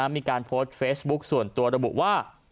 มีการโพสต์เฟซบุ๊คส่วนตัวระบุว่า